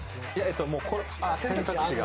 ・選択肢が。